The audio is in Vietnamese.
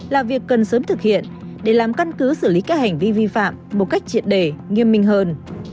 là việc cần sớm thực hiện để làm căn cứ xử lý các hành vi vi phạm một cách triệt đề nghiêm minh hơn